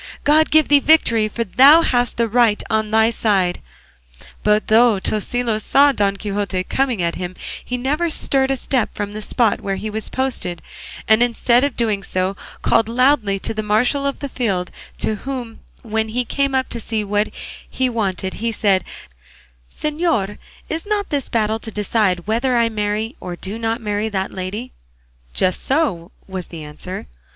God give thee the victory, for thou hast the right on thy side!" But though Tosilos saw Don Quixote coming at him he never stirred a step from the spot where he was posted; and instead of doing so called loudly to the marshal of the field, to whom when he came up to see what he wanted he said, "Señor, is not this battle to decide whether I marry or do not marry that lady?" "Just so," was the answer.